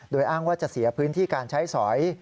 โดยอ้างว่าจะเสียพื้นที่การใช้สอย